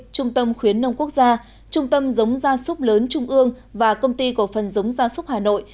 trung tâm khuyến nông quốc gia trung tâm giống gia súc lớn trung ương và công ty cổ phần giống gia súc hà nội